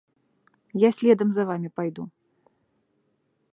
Я следам за вамі пайду.